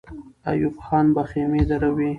ایوب خان به خېمې دروي.